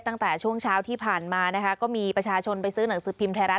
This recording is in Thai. ตั้งแต่ช่วงเช้าที่ผ่านมานะคะก็มีประชาชนไปซื้อหนังสือพิมพ์ไทยรัฐ